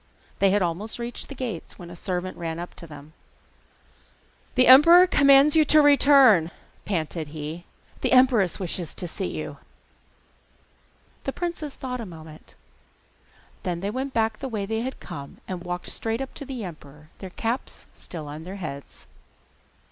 They had almost reached the gates when a servant ran up to them. 'The emperor commands you to return,' panted he: 'the empress wishes to see you.' The princes thought a moment: then they went back the way they had come, and walked straight up to the emperor, their caps still on their heads.